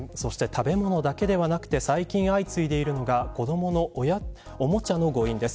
そして食べ物だけではなくて最近、相次いでいるのが子どものおもちゃの誤飲です。